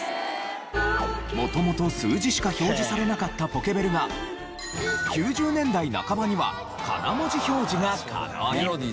元々数字しか表示されなかったポケベルが９０年代半ばにはカナ文字表示が可能に。